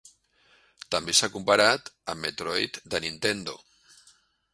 També s'ha comparat amb "Metroid" de Nintendo.